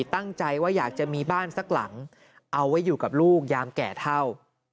ตั้งใจว่าอยากจะมีบ้านสักหลังเอาไว้อยู่กับลูกยามแก่เท่า